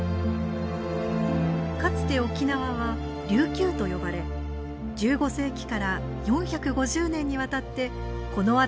かつて沖縄は琉球と呼ばれ１５世紀から４５０年にわたってこの辺り一帯を統治していました。